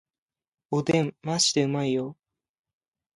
おでんマジでうまいよ